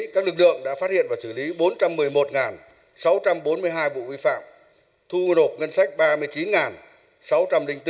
các lực lượng đã phát hiện và xử lý bốn trăm một mươi một sáu trăm bốn mươi hai vụ vi phạm thu nộp ngân sách ba mươi chín sáu trăm linh bốn